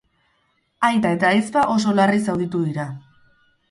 Aita eta ahizpa oso larri zauritu dira.